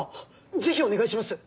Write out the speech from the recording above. ぜひお願いします。